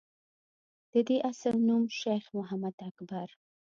دَدوي اصل نوم شېخ محمد اکبر